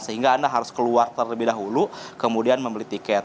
sehingga anda harus keluar terlebih dahulu kemudian membeli tiket